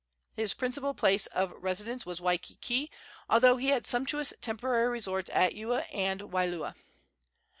His principal place of residence was Waikiki, although he had sumptuous temporary resorts at Ewa and Waialua.